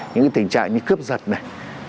những cái tình trạng như cướp giật này